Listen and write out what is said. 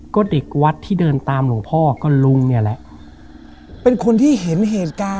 ก็เด็กวัดที่เดินตามหลวงพ่อก็ลุงเนี่ยแหละเป็นคนที่เห็นเหตุการณ์